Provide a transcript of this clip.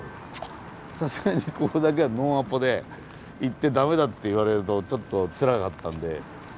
さすがにここだけはノンアポで行って駄目だって言われるとちょっとつらかったんで。